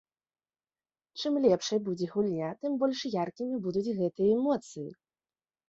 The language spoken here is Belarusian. Чым лепшай будзе гульня, тым больш яркімі будуць гэтыя эмоцыі.